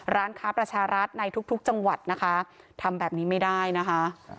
ร้านค้าประชารัฐในทุกจังหวัดนะคะทำแบบนี้ไม่ได้นะคะ